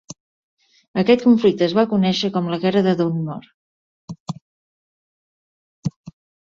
Aquest conflicte es va conèixer com la guerra de Dunmore.